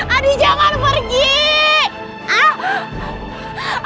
adi jangan segalin aku